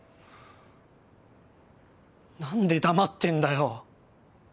何で黙ってんだよ！